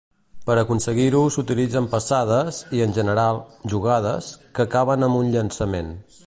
Per aconseguir-ho s'utilitzen passades i, en general, jugades, que acaben amb un llançament.